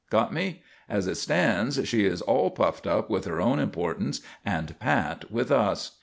Get me? As it stands, she is all puffed up with her own importance and pat with us.